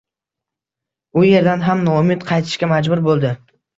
U erdan ham noumid qaytishga majbur bo`ldi